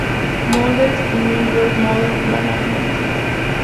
Models y New York Model Management.